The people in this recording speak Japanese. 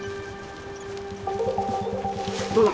どうだ？